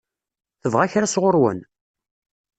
Tebɣa kra sɣur-wen?